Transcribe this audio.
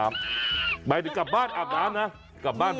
ทำไมกลับบ้านอาบน้ำนะ